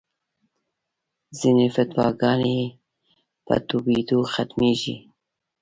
ځینې فتواګانې په تویېدو ختمېږي.